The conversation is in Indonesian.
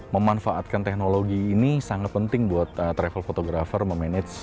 memanfaatkan teknologi ini sangat penting buat travel photographer memanage